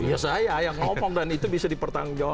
ya saya yang ngomong dan itu bisa dipertanggungjawabkan